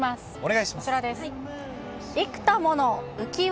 こちらです。